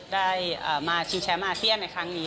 ได้มาชิงแชมป์อาเซียนในครั้งนี้